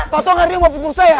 pak tong hari ini mau pukul saya